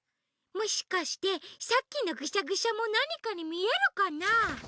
もしかしてさっきのグシャグシャもなにかにみえるかなあ？